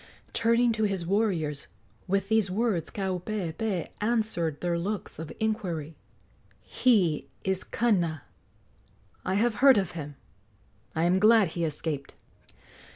Turning to his warriors, with these words Kaupeepee answered their looks of inquiry: "He is Kana. I have heard of him. I am glad he escaped."